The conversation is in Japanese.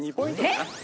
えっ！